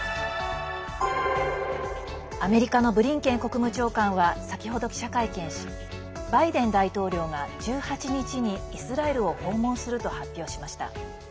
アメリカのブリンケン国務長官は先ほど記者会見しバイデン大統領が、１８日にイスラエルを訪問すると発表しました。